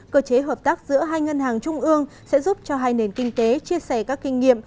cơ chế hợp tác giữa hai ngân hàng trung ương sẽ giúp cho hai nền kinh tế chia sẻ các kinh nghiệm